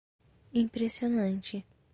Impressionante